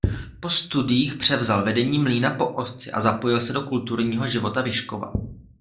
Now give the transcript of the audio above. Po studiích převzal vedení mlýna po otci a zapojil se do kulturního života Vyškova.